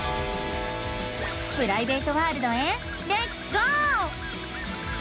プライベートワールドへレッツゴー！